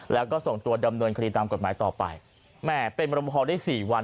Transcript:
แล้วก็ส่งตัวดำเนินคดีตามกฎหมายต่อไปแหม่เป็นรบพอได้สี่วัน